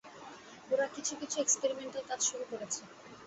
ওরা কিছু-কিছু এক্মপেরিমেন্টাল কাজ শুরু করেছে।